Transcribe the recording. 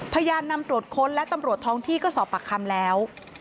พยายามนำตรวจค้นและตำรวจท้องที่ก็สอบปากคำแล้ว